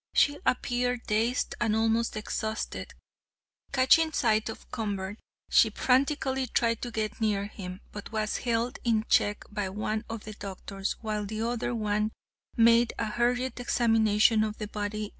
She appeared dazed and almost exhausted. Catching sight of Convert, she frantically tried to get near him, but was held in check by one of the doctors, while the other one made a hurried examination of the body.